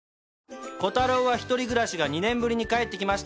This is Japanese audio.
『コタローは１人暮らし』が２年ぶりに帰ってきました。